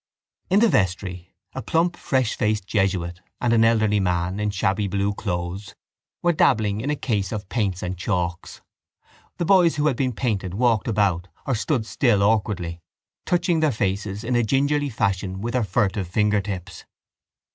In the vestry a plump freshfaced jesuit and an elderly man, in shabby blue clothes, were dabbling in a case of paints and chalks. The boys who had been painted walked about or stood still awkwardly, touching their faces in a gingerly fashion with their furtive fingertips.